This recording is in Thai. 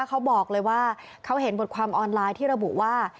เขาบอกเลยว่าเขาเห็นบทความออนไลน์ที่ระบุว่า